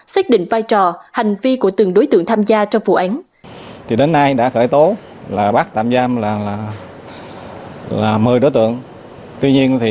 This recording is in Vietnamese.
xác định vai trò hành vi của từng đối tượng tham gia trong vụ án